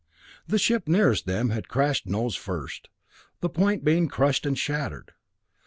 The ship nearest them had crashed nose first, the point being crushed and shattered.